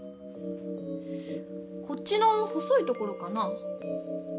こっちの細いところかな？